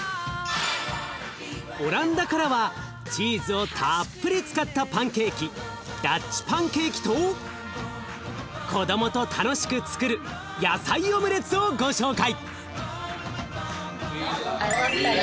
オランダからはチーズをたっぷり使ったパンケーキダッチパンケーキと子どもと楽しくつくる野菜オムレツをご紹介！